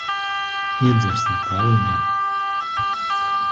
Iedzersim pa aliņam.